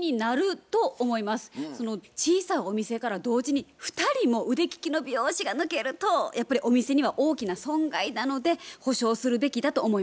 小さいお店から同時に２人も腕利きの美容師が抜けるとやっぱりお店には大きな損害なので補償するべきだと思いますね。